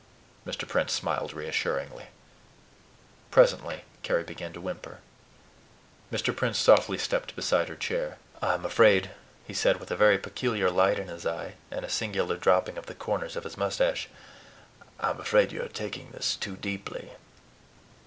Mr. Prince smiled reassuringly. Presently Carry began to whimper. Mr. Prince softly stepped beside her chair. "I am afraid," he said with a very peculiar light in his eye, and a singular dropping of the corners of his mustache "I am afraid you are taking this too deeply.